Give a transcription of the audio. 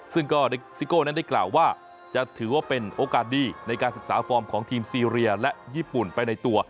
ซึ่งก็ซิโก้นั้นได้กล่าวว่าจะถือว่าเป็นโอกาสดีในการศึกษาฟอร์มของทีมซีเรียและญี่ปุ่นไปในตัว